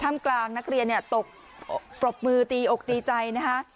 ท่ำกลางนักเรียนเนี้ยตกปรบมือตีอกตีใจนะคะ